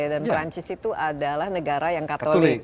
dan prancis itu adalah negara yang katolik